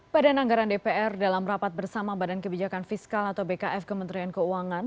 badan anggaran dpr dalam rapat bersama badan kebijakan fiskal atau bkf kementerian keuangan